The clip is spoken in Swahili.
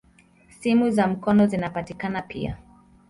Simu za mkono zinapatikana pia.